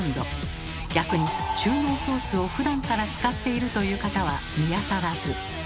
逆に中濃ソースをふだんから使っているという方は見当たらず。